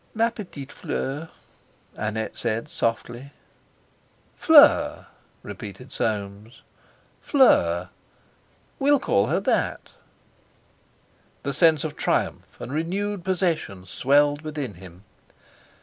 "Ma petite fleur!" Annette said softly. "Fleur," repeated Soames: "Fleur! we'll call her that." The sense of triumph and renewed possession swelled within him.